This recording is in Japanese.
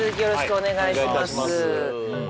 お願いいたします